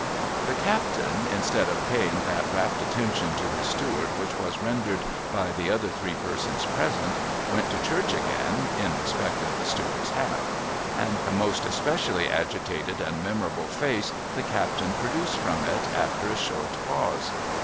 The captain, instead of paying that rapt attention to his steward which was rendered by the other three persons present, went to Churc h again, in respect of the steward's hat. And a most espe cially agitated and memorable fi\ce the captain produced from it, after a short pause.